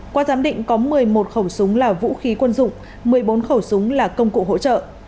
qua giám định có một mươi một khẩu súng là vũ khí quân dụng một mươi bốn khẩu súng là công cụ hỗ trợ